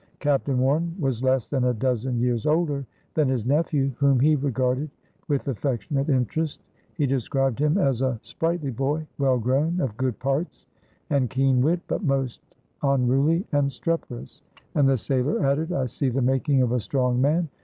Captain Warren was less than a dozen years older than his nephew, whom he regarded with affectionate interest. He described him as "a spritely boy well grown of good parts and keen wit but most onruly and streperous," and the sailor added: "I see the making of a strong man.